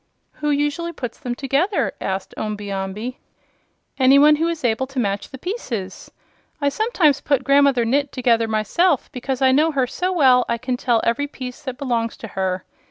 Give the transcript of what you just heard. "Who usually puts them together?" asked Omby Amby. "Any one who is able to match the pieces. I sometimes put Grandmother Gnit together myself, because I know her so well I can tell every piece that belongs to her.